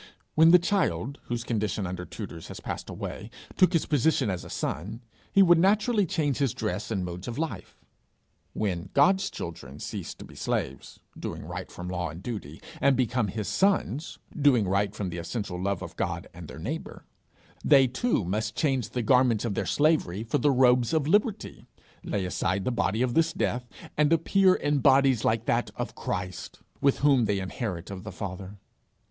When the child whose condition under tutors had passed away, took his position as a son, he would naturally change his dress and modes of life: when God's children cease to be slaves doing right from law and duty, and become his sons doing right from the essential love of God and their neighbour, they too must change the garments of their slavery for the robes of liberty, lay aside the body of this death, and appear in bodies like that of Christ, with whom they inherit of the Father.